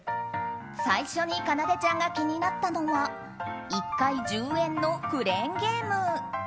最初にかなでちゃんが気になったのは１回１０円のクレーンゲーム。